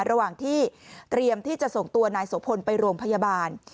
ระหว่างที่เตรียมที่จะส่งตัวนายโสพลไปโรงพยาบาล